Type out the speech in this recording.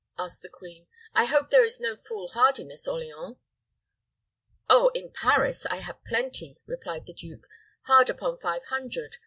asked the queen. "I hope there is no fool hardiness, Orleans?" "Oh, in Paris I have plenty," replied the duke; "hard upon five hundred.